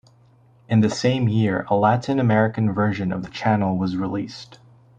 In the same year a Latin American version of the channel was released.